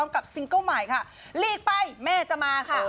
กับซิงเกิ้ลใหม่